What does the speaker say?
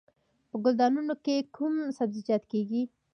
په ګلدانونو کې کوم سبزیجات کیږي؟